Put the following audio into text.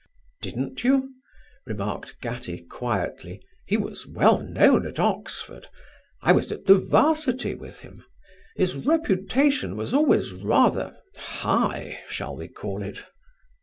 "Didn't you?" remarked Gattie quietly; "he was well known at Oxford. I was at the 'Varsity with him. His reputation was always rather 'high,' shall we call it?"